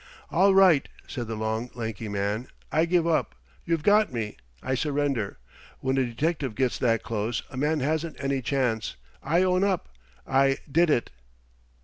"All right," said the long, lanky man, "I give up. You've got me. I surrender. When a detective gets that close, a man hasn't any chance. I own up. I did it."